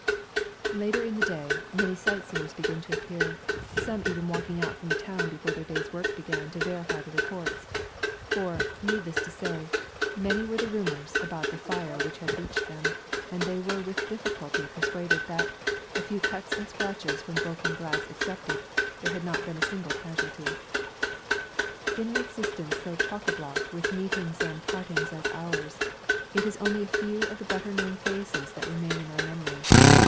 Later in the day many sightseers began to appear, some even walking out from the town before their day's work began to verify the reports. For, needless to say, many were the rumours about the fire which had reached them, and they were with difficulty persuaded that a few cuts and scratches from broken glass excepted there had not been a single casualty. In an existence so choc à bloc with meetings and partings as ours, it is only a few of the better known faces that remain in our memory.